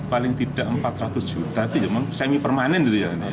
paling tidak empat ratus juta itu memang semi permanen